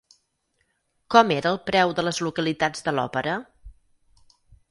Com era el preu de les localitats de l'òpera?